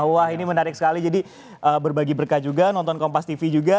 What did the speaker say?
wah ini menarik sekali jadi berbagi berkah juga nonton kompas tv juga